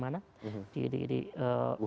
menghentikan outbreak di mana